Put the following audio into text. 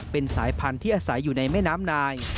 เป็นสายพันธุ์ที่อาศัยอยู่ในแม่น้ำนาย